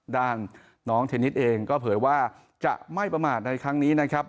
ด้านน้องเทนนิสเองก็เผยว่าจะไม่ประมาทในครั้งนี้นะครับ